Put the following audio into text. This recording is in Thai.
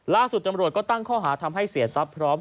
ตำรวจก็ตั้งข้อหาทำให้เสียทรัพย์พร้อม